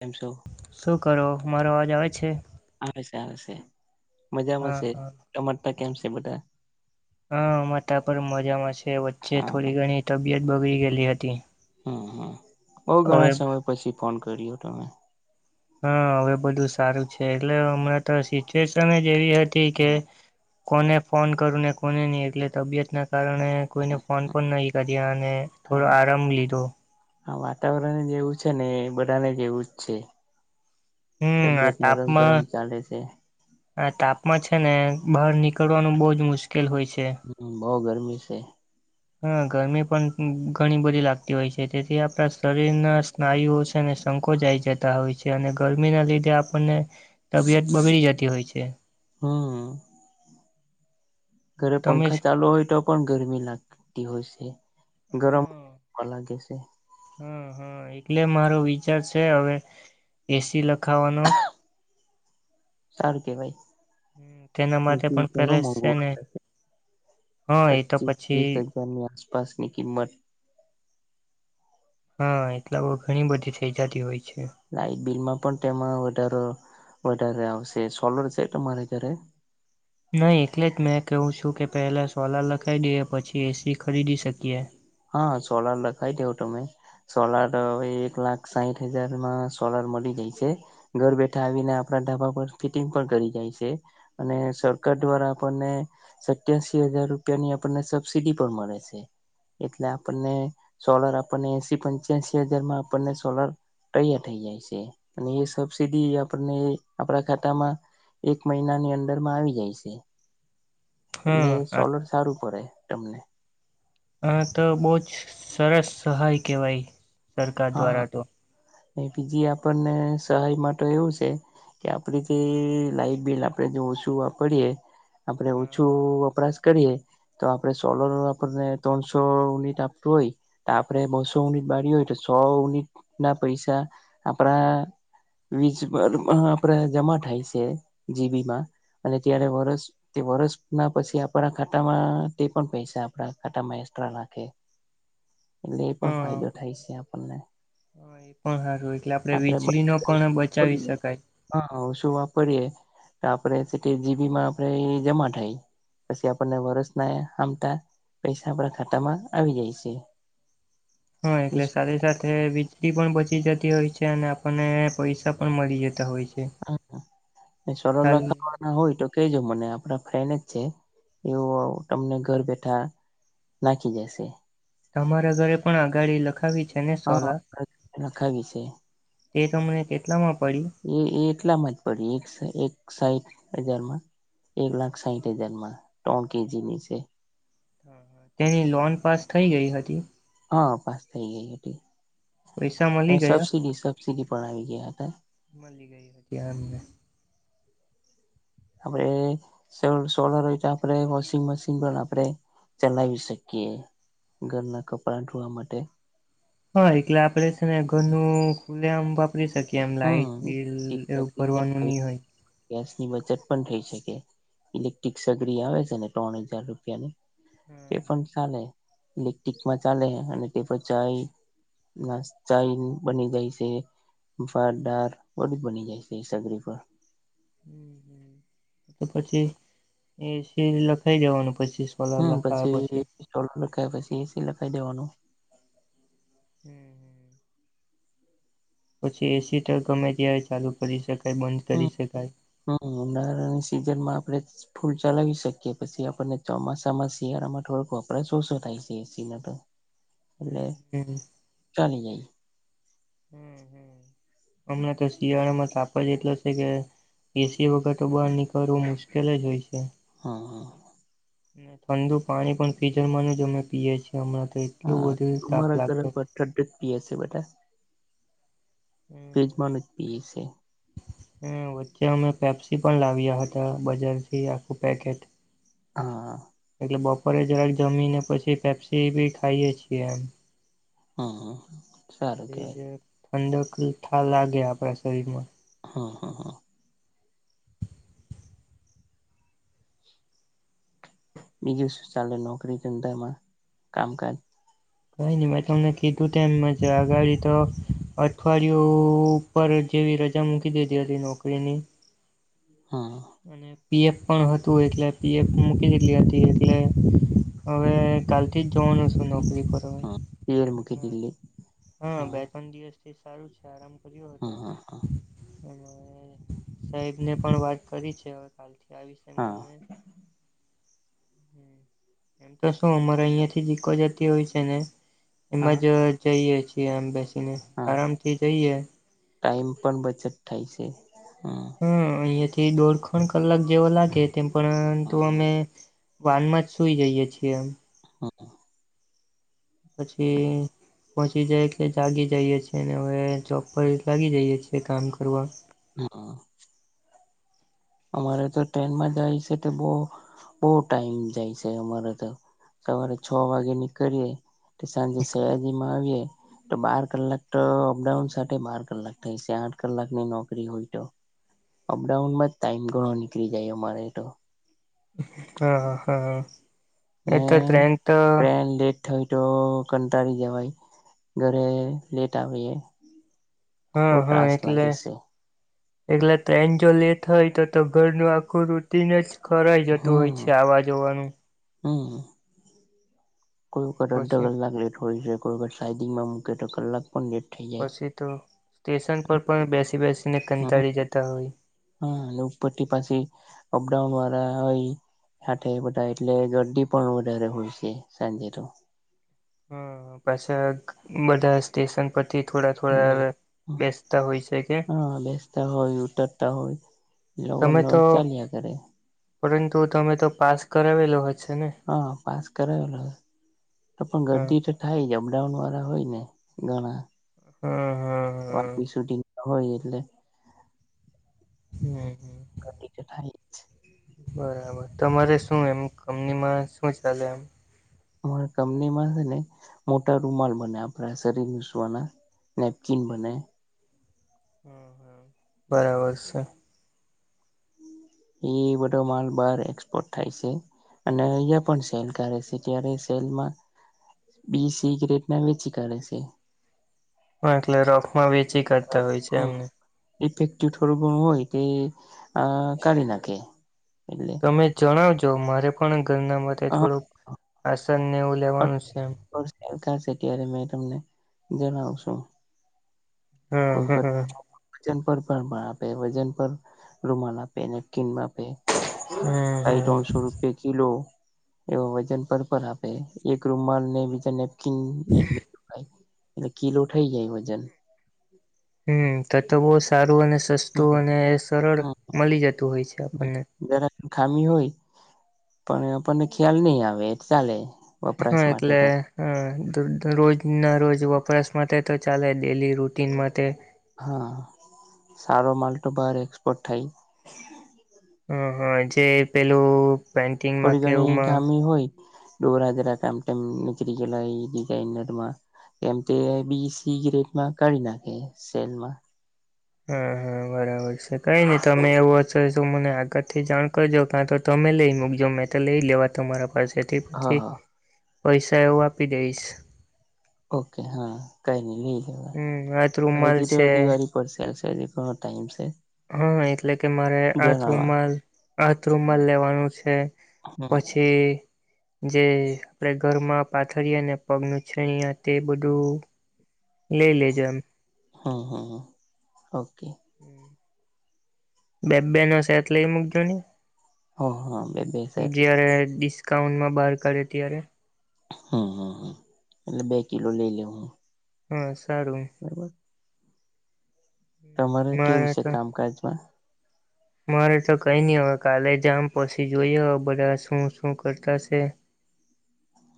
એમ છો. શું કરો મારો અવાજ આવે છે. આવે છે આવે છે હા મજામાંશે હા ટમાટા કેમ છે બધા. હા અમાં તા પણ મજામાં છે વચ્ચે હા થોડી ઘણી તબિયત બગડી ગયેલી હતી. હમ હમ બઉ હવે ઘણા સમય પછી ફોન કર્યો તમે. હા હવે બધું સારું છે એટલે હમણાં તો સિચ્યુએશન જ એવી હતી કે. હા કોને ફોન કરું ને કોને નહીં એટલે તબિયતના કારણે. કોઈને ફોન પણ નહી કર્યા અને થોડો આરામ લીધો. હા વાતાવરણ જેવું છે ને બધાને જેવું જ છે. હમ તબિયત નરમ ગરમ ચાલે છે. હા તાપમાન છે ને બહાર નીકળવાનું બહ જ મુશ્કેલ હોય છે. હમ બઉ ગરમી છે. હા ગરમી પણ ઘણી બધી લાગતી હોય છે તેથી આપણા શરીરના. નાયુ છે અને શંકોજ આવી જતા હોય છે અને ગરમીના લીધે આપણને. તબિયત બગડી જતી હોય છે. હમ. ઘરે તમે પંખા ચાલુ હોય તો. પણ ગરમી લાગતી હોય છે ગરમવા લાગે છે. હા હા એટલે મારો વિચાર છે હવે એસી લખાવાનો. સારું કે ભાઈ. તેના માટે પણ પછણ પેલે મોઘ છે ને હા એ તો પચીસ વીસ પછી ત. ની આસપાસ ની કિંમત. હા એટલા બ ઘણી બધી થઇ જતી હોય છે. લાઈટ બિલમાં પણ તેમાં વધારો વધારે આવશે સોલર છે તમારે ઘરે. નહીં એટલે જ મેં કહેહું છું કે પહેલાં સોલાં લખાવી દઈએ પછી એસી ખરીદી શકીએ. હા સોલાર લખાવ દેવ તમે. સોલાર હવે એક લાખ સાહીઠ હજારમાં સોલાર મળી જાય છે. ઘર બેઠા આવીને આપણા ઢાબા પર ફિટિંગ પણ કરી જાય છે. અને સરકાર દ્વારા આપણને. સત્યાસીી હજાર રૂપિયા ની આપણને સબસીિડી પણ મળે છે. એટલે આપણને સોલર આપણને એસી પંચ્યાસીી હજાર માં આપણને સોલર. તૈયાર થઈ જાય છે અને એ સબસીડી આપણને આપણા ખાતામાં એક મહિના ની અંદર માં આવી જાય છે હા એટલે સોલર સારું કરે તમને. આ તો બહુ જ સરસ સહાય કહેવાય સરકાર દ્વારા તો. એ બીજી આપણને સહાય માટે એવું છે. કે આપડ જે લાઈટ બિલ આપણે ઓછું વાપરીયએ આપડ હા ઓછું વપરાશ. કરીએ તો આપણે સોલર આપને ત્રણસો યુનિટ આપતું હોય. આપડે બસો યુનિટ બાળી હોય તો સો યુનિટ ના પૈસા આપણા. વીજર આપડે જમા થાય છે જીબી માં અને ત્યારે વરષ. તે વરષ ના પછી આપણા ખાતામાં તે પણ પૈસા આપણા ખાતામાં એકસ્ટ્રા નાખે. એટલે એ પણ હા ફાયદો થાય છે આપણને. હા એ પણ સારું એટલે આપણેે આપણે વીજળી બધા નો પણ બચાવી વાપરીએ શકાય. હા ઓ શું વાપરીએ તો આપણે જીબી માં આપે જમા થાય. પછી આપણને વરસ ન હબતાય. પૈસા આપણા ખાતા માં આવી જયશે. હા એકટલે સ વીજળી પણ બચી જતી હોય છે અને આપણને પૈસા પણ મળી જતા હોય છે. હા એ સરલ કાલ લખા. હ હોય તો કેજો મને આપણા ફ્રેન્ડ જ છે એવું તમને ઘર બેઠા નાખી દેશે. તમારા ઘરે પણ આગાડી લખાવી છે ને હા સોલાર. લખાવી છે એ તમને કેટલામાં પડયુ. એ એ એટલામાં જ પડી એક સા એક સાહીઠ હજારમાં. એક લાખ સાહીઠ હજાર માં ત્રણ કેજી ની છે. તેની લોન પાસ થઈ ગઈ હતી. હા પાસ થઈ ગઈ હતી પૈસા મળી ગયા? સબસિડી સબસીડી પણ આવી ગયા હતા. મળી ગઈ હતી આમને. આપડે સો સોલર હોય તો આપડે વોશિંગ મશીન પણ આપડે ચલાવી શકીએ ઘરના કપડા ધોવા માટે. હા એટલે આપડે છે ને ઘરનું ખુલે આમ બાપ. રી શકી એમ લાઈટ હમ બિલ એવું ભરવાનું નહી હોય. ગેસની બચત પણ થઈ શકે ઇલેક્ટ્રિક સગડી આવે છે ને ત્રણ હજાર રૂપિયાની તે પણ ચાલે ઇલેક્ટ્રિકમાં ચાલે અને તે પ. નાસ ચાય બની જાય છે. ભાત દાળ બઘુ બની જાય છે એ સગડી પર. હમ પછી એ સ લખાઈ જવાનું પછી. કલર લખાયા પછી. સ્ટોલ લખાયા પછી એસી લખીઇ દેવાનું. હમ હમ. પછી એસી તો ગમે ત્યારે ચાલુ કરી શકાય બંધ હમ કરી શકાય. હમ ઉનાળાની સિઝનમાં આપડે ફૂલ ચલાવી શકીએ પછી આપણને ચોમાસામાં શિયાળામાં થોડોક વપરાશ ઓછો થાય છે એસી ન તો. એટલે હમ ચાલી જાય. હમણાં તો શિયાળામાં તાપ જ એટલો છે કે. એસી વગર તો બહાર નીકળવું મુશ્કેલ જ હોય છે. હા હા. અને ઠંડુ પાણી પણ ફિઝરમાંનું જ અમે પીએ છીએ હમણાં તો એટલું બધું તાપ લાગતો. ફ્રીજમાંથી પીવે છે. હ વચ્ચે અમે પેપ્સી પણ લાવ્યા હતા બજારથી આખું પેકેટ. હા હા. એટલે બપોરે જરાક જમીને પછી પેપ્સી બી ખાઈએ છીએ એમ. હા હા. પછ જ ઠંડક થા લાગે આપડા શરીર માં. હમ હમ હમ. બીજું શું ચાલે નોકરી ધંધામાં કામકાજ. કઈ નહી મેં તમને કીધું ટાઈમમાં છે આગાડી તો અઠવાડિયું ઉપ જેવી રજા મૂકી દીધી હતી નોકરીની હા અને. પીએફ પણ હતું એટલે પીએફ મૂકી દટલી હતી એટલે હવે કાલ. તે ત્રળ હશું નોકરી પર. હવે હ જવ હમણાં મુકીટલે. હા બે ત્રણ દિવસથી સારું છે આરામ કર્યો હતો. હમ હમ હમ સાહેબ ને પણ વાત કરી છે હવે કાલથી કયા વિષય હા કરને એમ તો શું અમારે અહિયાં થી ઈકો જતી હોય છે ને એમ હા જ જઈએ છીએ આમ બેસીને હા આરામ થી જઈએ. ટાઈમ પણ બચત થાય છે હમ હ અહિયાં થી દોઢ ખણ કલાક જેવો લાગે તેમ પણ તો હમ અમે વાન માં જ સુઈ જઈએ છીએ એમ હા પછી પહોંચી જાય એટલે જાગી જઈએ છીએ અને હવે જોબ પર લાગી જઈએ છીએ કામ કરવા હા અમારે તો ટ્રેનમાં જાય છે તો બહુ બહુ ટાઈમ જાય છે અમારે તો સવારે છ વાગે નીકળીએ સાંજે સયાજી માં આવીએ તો બાર કલાક તો અપડાઉન સાથે બાર કલાક થાય છે. આઠ કલાકની નોકરી હોય તો અપડાઉન માં જ ટાઈમ ઘણો નીકળી જાય અમારે તો હા હા એટલે ટ્રેન તો થય તો કંટાળી જવાય ઘરે લેટ આવે હા હા એટલે છે એલે તો ટ્રેન જો લેટ હોય તો તો ઘરનું આખું રુટિન જ ખરાઈ જતું હોય છે આવાજવાનું હા કોઈ વખત અડધો પછી કલાક લેટ હોય છે કોઈ વર સાઇડંગમાં મૂકે તો કલાક પણ લેટ થઈ જાય પછી તો સ્ટેશન પર પણ બેસી બેસીને હમ કંટાળી જતા હોય. હા અને ઉપર થી પાછા અપડાઉન વાળા હોય આઠ બધા એટલે દર્દી પણ વધારે હોય છે સાંજે તો હમ પછી બધા સ્ટેશન પરથી થોડા હમ થોડા બેસતા હોય છે કે હા બેસતા હોય ઉતરતા હોય એવુ ન તમે એવુ તો ચાલ્યા કરે. પરંતુ તમે તો પાસ કરાવેલો હશે ને? હા પાસ કરાવેલો તો પણ હા ગરદી થાય અપડાઉન વાળા હોય ને ઘણા હમ હમ શૂટિંગ હોય એટલે હમ હમ કતી કઠાય બરાબર તમારે શું એમ કંપનીમાં શું ચાલે એમ કંપનીમાં છે ને મોટા રૂમાલ બને આપડા શરીરસવાના નેપચિન બનાાય હમ હ બરાબર છે એ બધો માલ બહાર એક્સપોર્ટ થાય છે. અને અહિયાં પણ સેલ કરે છે ત્યારે સેલમાં બી સિગરેટ ના વેચી કરે છે. એટલે રોખમાં વીચ હા ડિફેક્ટિવ થોડું ઘણું હોય તે કાઢી નાખે એટલે તમે જણાવજો મારે પણ ઘરના માટે થોડુંક આસનને એવું લેવાનું છે એ કાર છે ત્યારે મે તમને જણાવશું હમ હમ કોલકાતા વજન પર ભમાણ આપે વજન પર રૂમાલ આપે નકીન આપે હમ હમ [unintelligible] એ વજન પર આપે એક રૂમાલ ને બીજા નેપકીન એક એટલે કીલો થઇ જાય વજન હમ તો તો બહુ સારું અને હમ સસ્તું અને સરળ હમ મળી જતું હોય છે આપણને જરા ખામી હોય પણ આપણને ખ્યાલ નહી આવે ચાલે હા વપરાશ માટે એટલે તો હ દ રોજના રોજ વપરાશ માટે તો ચાલે ડેલી રૂટીન માટે હા સારો માલ તો બાર એક્સપોર્ટ થાય હ હા જે પેલું પેન્ટિંગમાં થોડી ઘણી કેવુંમાં ખામી હોય ડોર હાજરા કામમ નીકળ ગયલા ડિઝઇનરમાં કેમ તે બીસી ગ રેટમાં કાઢી નાખે સેલમાં હા હા બરાબર છે કઈ નઈ તમે એવું હો તો મને આગળ થી જાણ કરજો કાં તો તમે લઈ મૂકજો મેં તો લઈ લેવા તમારા પાસે તે હા પછી હા પૈસા એવું આપી દઈશ ઓકે હા કઈ નઈ લઈ જવા હમ હાથ હવે રૂમાલ જે છે દિવાળી પર સેલ છે હજી ઘણો ટાઇમ છે હા એટલે કે મારે હાથ જણાવા રૂમમાં હાથ રૂમમાં લેવાનો છે હમ પછી જે આપણેે ઘરમાં પાથરિયે અને પગ લુચ્ચાનાયા તે બધું લઈ લેજો એમ હા હા ઓકે બે બે નો શેટ લઈ મુૂક છો ની હ હા બે બે સેટ જયારે ડિસ્કાઉન્ટમાં બહાર કાઢે ત્યારે હમ હમ એટલે બે કિલો લઈ લેવ હું હા સારું બરોબર તમારે કેવું મારે છે તો કામકાજમાં મારે તો કઈ નહી હવે કાલે જામ પછી જોઈએ હવે બધા શું શું કરતા સે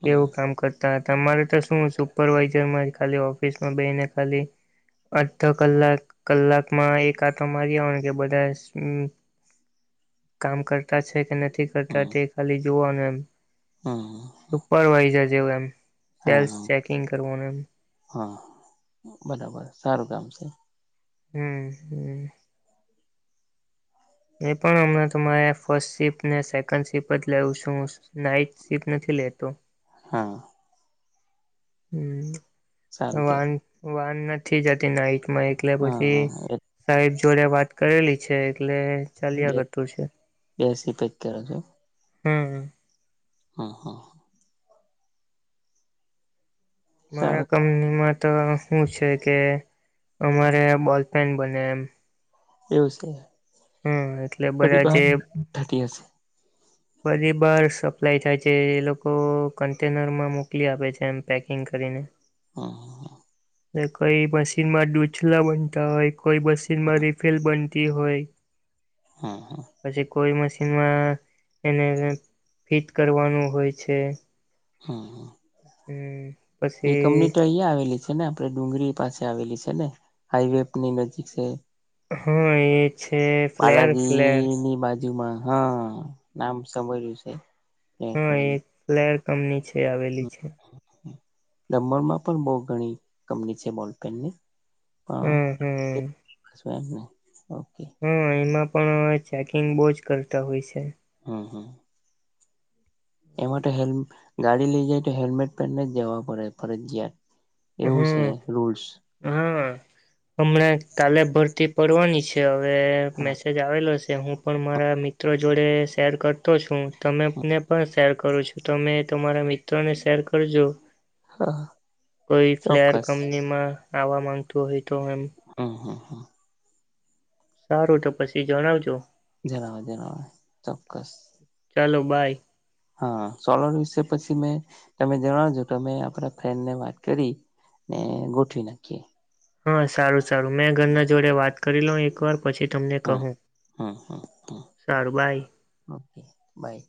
હમ એવું કામ કરતા હતા તમારે તો શું સુપરવાઈઝરમાં ખાલી ઓફિસમાં બેહી ને ખાલી અડધો કલાક કલાકમાં એક આતો મારી આવનો કે બધા કામ કરતા છે કે નથી કરતા હમ તે ખાલી જોવાનું એમ હમ સુરવાઈઝ જેવું એમ હા સેલ્સ હા ચેકિંગ કરવાનું એમ હા બરાબર સારું કામ છે હમ્મ હમ્મ હમ્મ એ પણ હમના તમારે ફર્સ્ટ સિફટ ને સેકન્ડ સીફટ જ લેવું છું નાઈટ શિફ્ટ નથી લેતો હા સારું હમ કે વાન વાન નથી જતી નાઈટ માં એકલે હા પછી હા સાહેબ જોડે વાત કરેલી છે એટલે ચાલ્યા કરતું છે બેસી પેક કરો હમ્મ હ હ મારા સારું કંપનીમાં તો હુ છે કે અમારે બોલફેન બને એમ એવું છે હમ્મ એટલે બધી બધા જે બહાર થતી હશે બધી બાર સપ્લાય થાય છે એ લોકો કન્ટેનર માં મોકલી આપે છે એમ પેક ઠન કરીરીને હા. કોઈ મશીનમાં ડૂછલા બનતા હોય કોઈ મશીનમાં રિફેલ બનતી હોય. હા હા. પછી કોઈ મશીનમાં. એને ફીટ કરવાનું હોય છે. હા હા. હમ. એ પછી કમ્યુનિટી અહિયાં આવેલી છે ને આપડે ડુંગરી પાસે આવેલી છે ને હાઈવે ની નજીક છે. હા એ છે ફ્લેર ફ્લેર. બજુમાં હા નામ સમજ્યું છે તને. લર કંપની છે આવેલી છે. દમણમાં પણ બહ ઘણી કંપની છે બોલપેનની. હમ હમ હન્ને ઓકે. હા એમાં પણ ચેકિંગ બઉ જ કરતા હોય છે. હમ હમ. એમાં તો હે ગાડી લઈ જાય તો હેલ્મેટ પહેરને જવા પડે ફરજિયાત. એવું છે હમ રૂલ્સ. હા હમણાં કાલે ભરતી કરવાડવાની છે. તે હવે હા મેસેજ આવેલો છે હું પણ મારા મિત્રો જોડે શેર કરતો છું. તમેને પણ શેર કરો છો તમે તમારા મિત્રોને શેર કરજો. હા. કોઈ ફ્લેયર ચોક્કસ કંપની માં આવવા માંગતું હોય તો એમ. હ હા હા. સારું તો પછી જણાવજો. જણ જણાવ ચોક્કસ. ચાલો બાાય. હા સોલર વિશે પછી મે તમે જણાવજો કે આપડા ફ્રેન ને વાત કરી. ને ગોઠવી નાખીએ. હા સારું સારું મેં ઘરના જોડે વાત કરી લઉ એક વાર. પછી તમને હમ કહું હમ હમ સારું ભાઈ. Okay by.